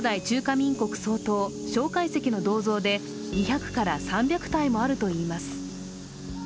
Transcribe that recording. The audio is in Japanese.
民国総統蒋介石の銅像で２００から３００体もあるといいます。